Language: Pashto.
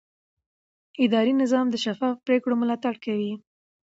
اداري نظام د شفافو پریکړو ملاتړ کوي.